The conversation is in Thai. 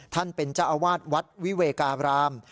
ท่านเป็นเจ้าอาวาสวัดวิเวการาม